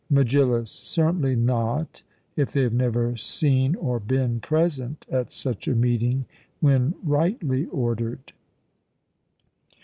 MEGILLUS: Certainly not, if they have never seen or been present at such a meeting when rightly ordered.